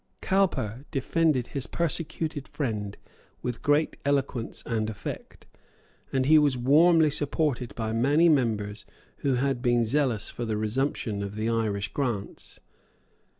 Cowper defended his persecuted friend with great eloquence and effect; and he was warmly supported by many members who had been zealous for the resumption of the Irish grants.